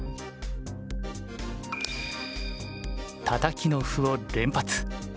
たたきの歩を連発。